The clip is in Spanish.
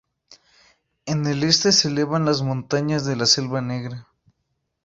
En el este se elevan las montañas de la Selva Negra.